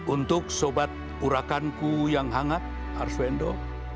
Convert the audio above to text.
untuk sobat urakanku yang hangat arswendo